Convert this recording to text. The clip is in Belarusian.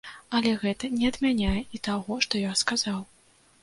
Але гэта не адмяняе і таго, што я сказаў.